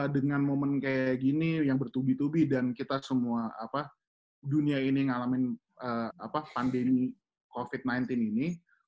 dengan momen kayak gini yang bertubi tubi dan kita semua dunia ini ngalamin pandemi covid sembilan belas ini